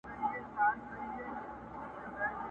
د سپیني خولې دي څونه ټک سو!!